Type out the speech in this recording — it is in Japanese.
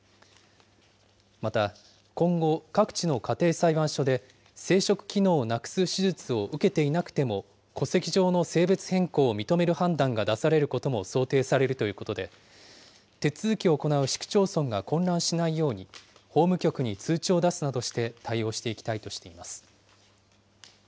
また、今後、各地の家庭裁判所で、生殖機能をなくす手術を受けていなくても、戸籍上の性別変更を認める判断が出されることも想定されるということで、手続きを行う市区町村が混乱しないように、法務局に通知を出すなどして対応していきたいとしています。